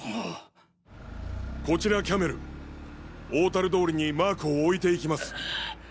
こちらキャメル大樽通りにマークを置いて行きます。